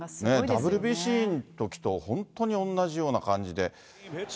ＷＢＣのときと本当に同じような感じで。